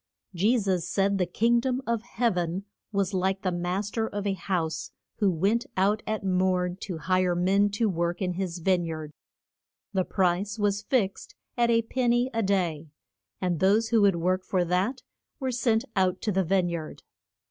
Je sus said the king dom of heav en was like the mas ter of a house who went out at morn to hire men to work in his vine yard. The price was fixed at a pen ny a day, and those who would work for that were sent out to the vine yard.